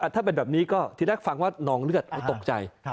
ถ้าเป็นแบบนี้ก็ทีแรกฟังว่านองเลือดตกใจ